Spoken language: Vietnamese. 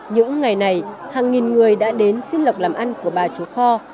những ngày này hàng nghìn người đã đến xin lọc làm ăn của bà chúa kho